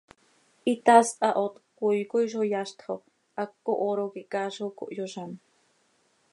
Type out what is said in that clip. Hitaast hahoot cöcoii coi zo yazt xo haptco hooro quih chaa zo cohyozám.